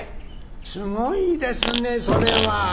すごいですねそれは」。